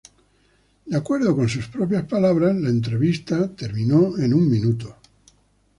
De acuerdo con sus propias palabras, la entrevista terminó en un minuto.